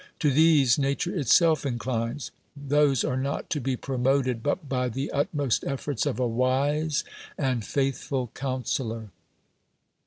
To these nature itself inclines; those are not to be promoted but by the utmost efforts of a wise and faithful coun selor.